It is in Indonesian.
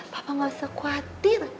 papa nggak usah khawatir